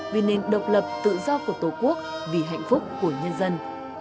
vì nền độc lập tự do của tổ quốc vì hạnh phúc của nhân dân